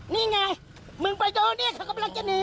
นี่ไงมึงไปดูเนี่ยเค้ากำลังจะหนี